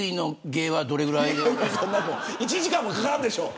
１時間もかからんでしょう。